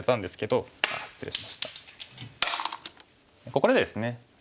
ここでですね